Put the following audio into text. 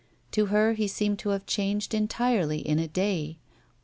To her he seemed to have changed entirely in a day.